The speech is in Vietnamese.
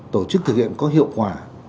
tổ chức thực hiện có hiệu quả